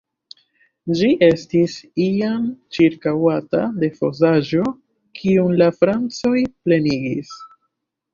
Ĝi estis iam ĉirkaŭata de fosaĵo, kiun la francoj plenigis.